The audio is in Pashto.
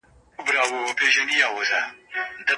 خپل عقل به د ژوند په هر موړ کي کاروئ.